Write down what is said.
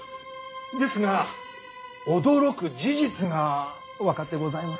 ですが驚く事実が分かってございます。